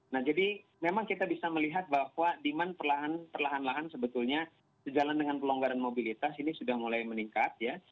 nah jadi memang kita bisa melihat bahwa demand perlahan lahan sebetulnya sejalan dengan pelonggaran mobilitas ini sudah mulai meningkat ya